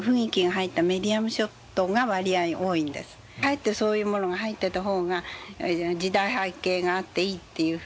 かえってそういうものが入ってた方が時代背景があっていいっていうふうで。